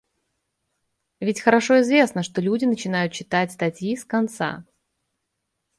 Ведь хорошо известно, что люди начинают читать статьи с конца